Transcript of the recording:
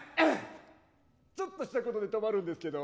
ちょっとしたことで止まるんですけど。